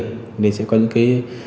nên sẽ có những cái